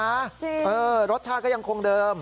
จริงเออรสชาติก็ยังคงเดิม